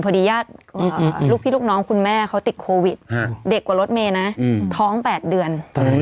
ญาติลูกพี่ลูกน้องคุณแม่เขาติดโควิดเด็กกว่ารถเมย์นะท้อง๘เดือน